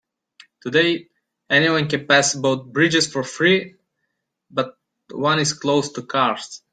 Today, anyone can pass both bridges for free, but one is closed to cars.